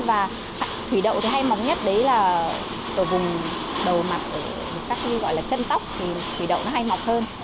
và thủy đậu thì hay móng nhất đấy là ở vùng đầu mặt ở các khi gọi là chân tóc thì thủy đậu nó hay mọc hơn